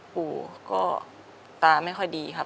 ปู่ก็ตาไม่ค่อยดีครับ